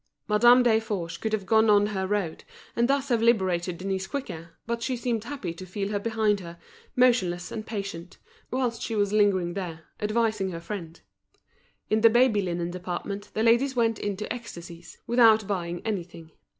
Madame Desforges could have gone on her road, and thus have liberated Denise quicker, but she seemed happy to feel her behind her, motionless and patient, whilst she was lingering there, advising her friend. In the baby linen department the ladies went into ecstasies, without buying anything.